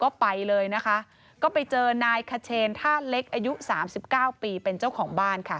ก็ไปเลยนะคะก็ไปเจอนายขเชนท่าเล็กอายุสามสิบเก้าปีเป็นเจ้าของบ้านค่ะ